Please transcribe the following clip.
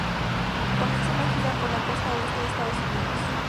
Comienzan una gira por la costa oeste de Estados Unidos.